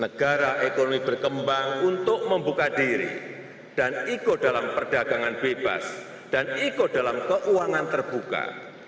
negara ekonomi berkembang untuk membuka diri dan ikut dalam perdagangan bebas dan ikut dalam keuangan terbuka